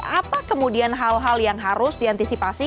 apa kemudian hal hal yang harus diantisipasi